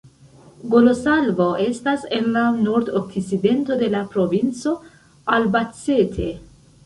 Golosalvo estas en la nordokcidento de la provinco Albacete.